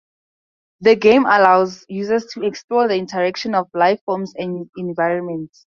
The game allows users to explore the interaction of life-forms and environments.